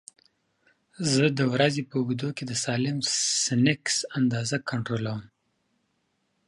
زه د ورځې په اوږدو کې د سالم سنکس اندازه کنټرول کوم.